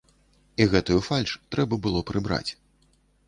І гэтую фальш трэба было прыбраць.